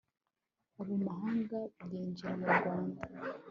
abo mahanga byinjira murwanda